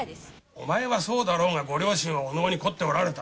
お前はそうだろうがご両親はお能に凝っておられた。